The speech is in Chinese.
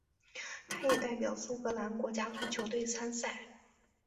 他也代表苏格兰国家足球队参赛。